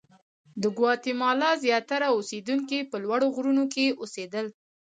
د ګواتیمالا زیاتره اوسېدونکي په لوړو غرونو کې اوسېدل.